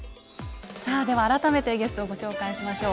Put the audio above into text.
さあでは改めてゲストをご紹介しましょう。